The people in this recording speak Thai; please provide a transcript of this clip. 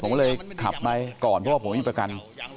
ผมก็เลยขับไปก่อนเพราะว่าผมมีประกัน